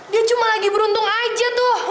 dia cuma lagi beruntung aja tuh